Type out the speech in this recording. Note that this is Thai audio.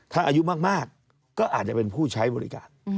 ถ้าอายุมากก็อาจจะเป็นผู้ใช้บริการ